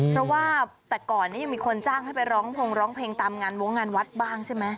เพราะว่าแต่ก่อนนี้ยังมีคนจ้างให้ไปร้องพงร้องเพลงตามงานวงงานวัดบ้างใช่ไหม